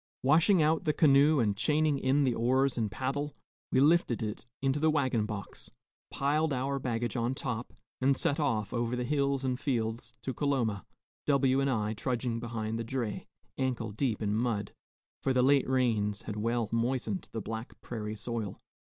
Washing out the canoe and chaining in the oars and paddle, we lifted it into the wagon box, piled our baggage on top, and set off over the hills and fields to Coloma, W and I trudging behind the dray, ankle deep in mud, for the late rains had well moistened the black prairie soil.